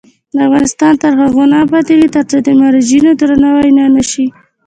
افغانستان تر هغو نه ابادیږي، ترڅو د مراجعینو درناوی ونشي.